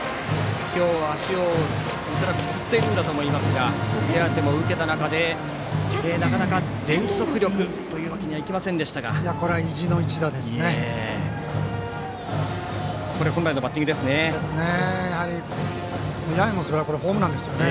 今日は足を恐らくつっているんだろうと思いますが手当ても受けた中でなかなか全速力というわけにはこれは意地の一打ですね。